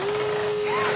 あっ。